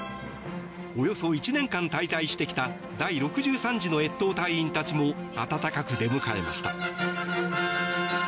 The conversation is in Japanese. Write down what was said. およそ１年間滞在してきた第６３次の越冬隊員たちも温かく出迎えました。